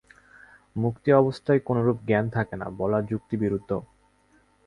মুক্তি-অবস্থায় কোনরূপ জ্ঞান থাকে না, বলা যুক্তিবিরুদ্ধ।